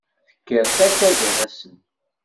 Tekker takka gar-asen.